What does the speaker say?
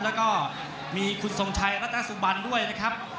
แล้วก็มีคุณทรงชัยรัตนสุบันด้วยนะครับ